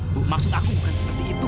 bu maksud aku bukan seperti itu